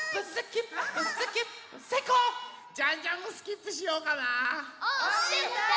ジャンジャンもスキップしようかな。